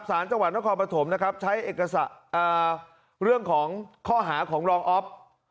สารจังหวัดนครปฐมนะครับใช้เอกสารเรื่องของข้อหาของรองอ๊อฟ